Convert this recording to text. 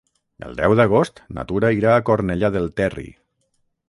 El deu d'agost na Tura irà a Cornellà del Terri.